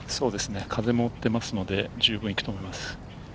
風も追っていますので、十分行くと思います。